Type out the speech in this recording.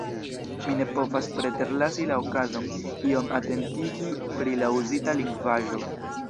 Mi ne povas preterlasi la okazon iom atentigi pri la uzita lingvaĵo.